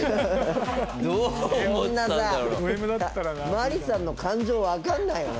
マリさんの感情分かんないよね